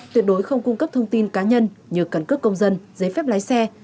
tuyệt đối không cung cấp thông tin cá nhân như cần cước công dân giấy phép lái xe